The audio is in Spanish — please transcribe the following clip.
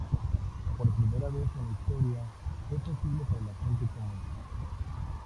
Por primera vez en la historia, fue posible para la gente común.